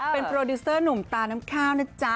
เป็นโปรดิวเซอร์หนุ่มตาน้ำข้าวนะจ๊ะ